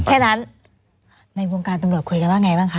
แค่นั้นในวงการตำรวจคุยกันว่าไงบ้างคะ